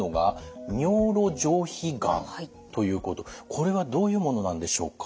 これはどういうものなんでしょうか？